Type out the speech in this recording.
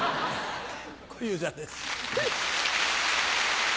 小遊三です。